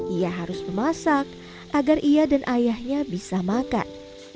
ia harus memasak agar ia dan ayahnya bisa makan